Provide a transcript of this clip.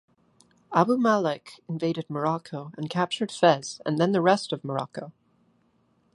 Abu Malek invaded Morocco and captured Fez and then the rest of Morocco.